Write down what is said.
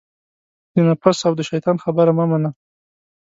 د نفس او دشیطان خبرې مه منه